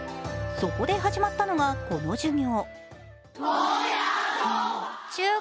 そこで始まったのが、この授業。